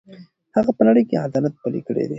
هغه په نړۍ کې عدالت پلی کړی دی.